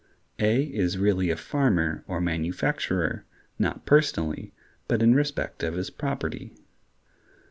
A is really a farmer or manufacturer, not personally, but in respect of his property.